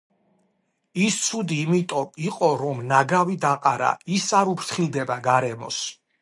ის ცუდი იმიტომ იყო რომ ნაგავი დაყარა ის არ უფთხილდება გარემოს